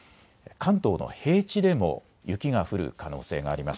関東の平地でも雪が降る可能性があります。